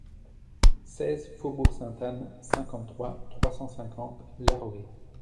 seize faubourg Sainte-Anne, cinquante-trois, trois cent cinquante, La Roë